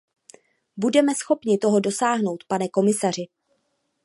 Budeme schopni toho dosáhnout, pane komisaři?